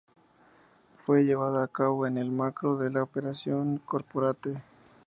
Fue llevada a cabo en el marco de la Operación Corporate.